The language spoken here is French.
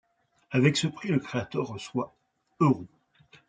Avec ce prix, le créateur reçoit euros.